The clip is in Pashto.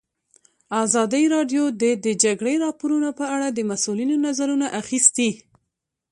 ازادي راډیو د د جګړې راپورونه په اړه د مسؤلینو نظرونه اخیستي.